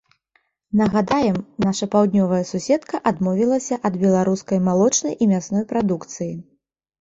Нагадаем, наша паўднёвая суседка адмовілася ад беларускай малочнай і мясной прадукцыі.